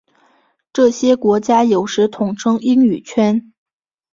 这些国家有时统称英语圈。